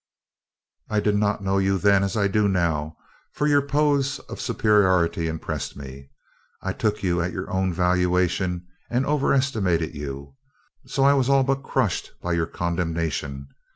"I did not know you then as I do now and your pose of superiority impressed me; I took you at your own valuation and overestimated you; so I was all but crushed by your condemnation.